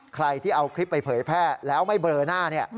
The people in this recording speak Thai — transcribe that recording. ใครที่เอาคลิปไปเผยแพร่แล้วไม่เบลอหน้า